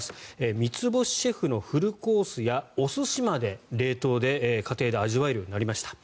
三ツ星シェフのフルコースやお寿司まで冷凍で家庭で味わえるようになりました。